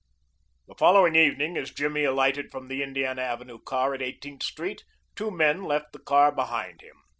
The following evening as Jimmy alighted from the Indiana Avenue car at Eighteenth Street, two men left the car behind him.